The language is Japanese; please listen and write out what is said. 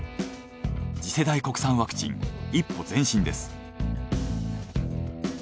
次世代国産ワクチン一歩前進です。